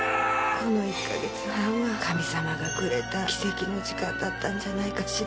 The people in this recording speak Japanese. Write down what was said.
この１カ月半は神様がくれた奇跡の時間だったんじゃないかしら。